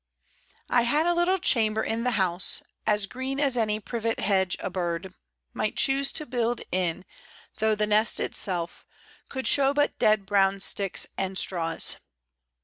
I had a little chamber in the house, As green as any privet hedge a bird Might choose to build in, tho' the nest itself Could show but dead brown sticks and straws.